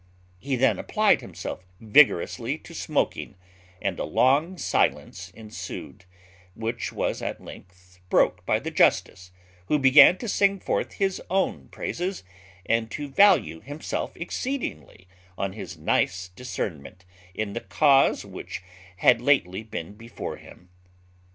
He then applied himself vigorously to smoaking; and a long silence ensued, which was at length broke by the justice, who began to sing forth his own praises, and to value himself exceedingly on his nice discernment in the cause which had lately been before him.